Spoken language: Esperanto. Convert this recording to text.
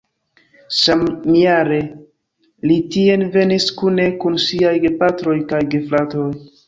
Samjare li tien venis kune kun siaj gepatroj kaj gefratoj.